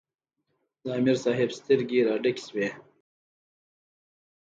د امیر صېب سترګې راډکې شوې ـ